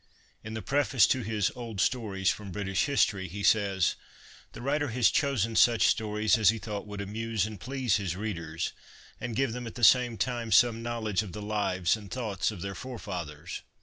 In the preface to his Old Stories from British History^ he says: "The writer has chosen such stories as he thought would amuse and please his readers, and give them at the same time some knowledge of the lives and thoughts of their fore fathers.